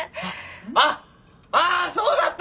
あああそうだった！